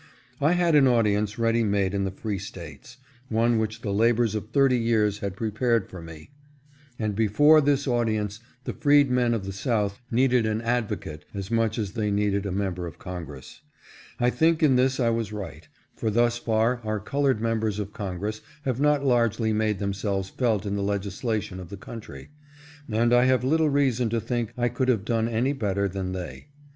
I had an audience ready made in the free States ; one which the labors of thirty years had prepared for me, and before this audience the freedmen of the South needed an advocate as much as they needed a member of Congress. I think in this I was right ; for thus far our colored members of Congress have not largely made themselves felt in the legislation of the country ; and I have little reason to think I could have done any better than they.